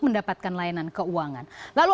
mendapatkan layanan keuangan lalu